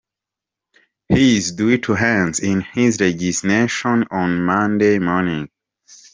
He is due to hand in his resignation on Monday morning.